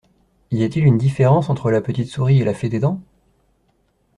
Y a une différence entre la petite souris et la fée des dents?